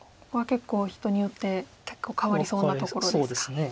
ここは結構人によって変わりそうなところですか。